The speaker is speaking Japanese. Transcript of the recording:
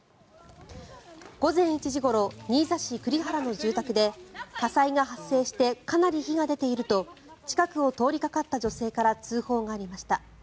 午前１時ごろ新座市栗原の住宅で火災が発生してかなり火が出ていると近くを通りかかった女性から通報がありました。